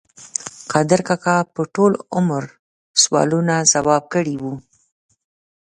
قادر کاکا په ټول عمر سوالونه ځواب کړي وو.